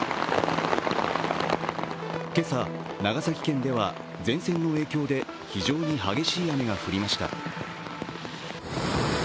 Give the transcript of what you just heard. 今朝、長崎県では前線の影響で非常に激しい雨が降りました。